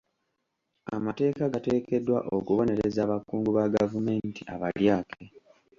Amateeka gateekeddwa okubonereza abakungu ba gavumenti abalyake.